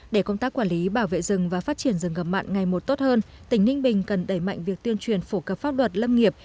để công tác quản lý bảo vệ rừng và phát triển rừng ngập mặn ngày một tốt hơn tỉnh ninh bình cần đẩy mạnh việc tuyên truyền phổ cập pháp luật lâm nghiệp